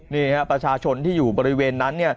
นี่ครับประชาชนที่อยู่บริเวณนั้น